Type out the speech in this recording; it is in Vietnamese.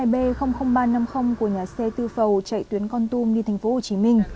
tám mươi hai b ba trăm năm mươi của nhà xe tư phầu chạy tuyến con tum đi tp hcm